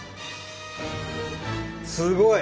すごい！